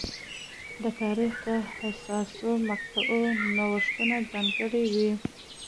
د تاریخ د حساسو مقطعو نوښتونه ځانګړنه وې.